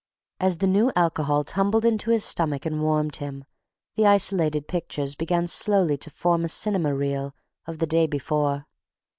As the new alcohol tumbled into his stomach and warmed him, the isolated pictures began slowly to form a cinema reel of the day before.